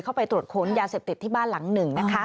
เข้าไปตรวจค้นยาเสพติดที่บ้านหลังหนึ่งนะคะ